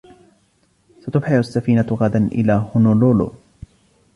ستبحر السفينة غدا إلى هونولولو.